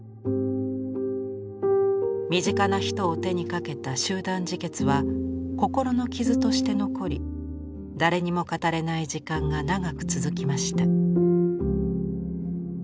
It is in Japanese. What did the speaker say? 身近な人を手にかけた集団自決は心の傷として残り誰にも語れない時間が長く続きました。